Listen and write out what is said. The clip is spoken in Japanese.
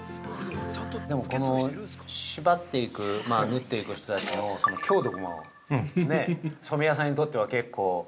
◆でもこの縛っていく縫っていく人たちの強度も染屋さんにとっては、結構。